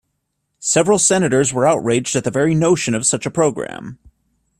Several Senators were outraged at the very notion of such a program.